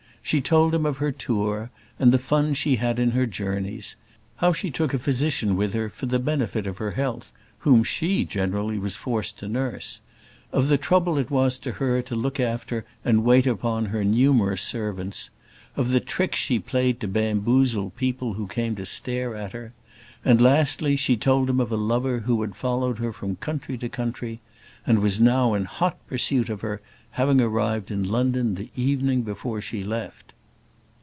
She told him of her tour, and the fun she had in her journeys; how she took a physician with her for the benefit of her health, whom she generally was forced to nurse; of the trouble it was to her to look after and wait upon her numerous servants; of the tricks she played to bamboozle people who came to stare at her; and, lastly, she told him of a lover who followed her from country to country, and was now in hot pursuit of her, having arrived in London the evening before she left.